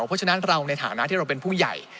เพราะฉะนั้นเราในฐานะที่เราเป็นผู้ใหญ่